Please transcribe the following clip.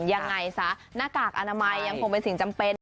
ยังไงซะหน้ากากอนามัยยังคงเป็นสิ่งจำเป็น